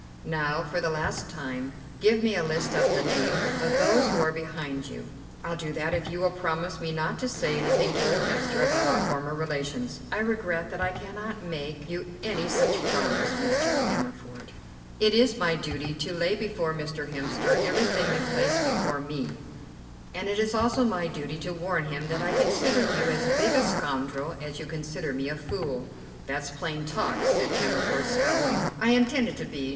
Now, for the last time, give me a list of the names of those who are behind you." "I'll do that if you will promise me not to say anything to old Hemster about our former relations." "I regret that I cannot make you any such promise, Mr. Cammerford. It is my duty to lay before Mr. Hemster everything you place before me, and it is also my duty to warn him that I consider you as big a scoundrel as you consider me a fool." "That's plain talk," said Cammerford, scowling. "I intend it to be.